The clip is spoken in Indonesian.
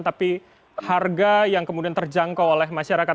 tapi harga yang kemudian terjangkau oleh masyarakat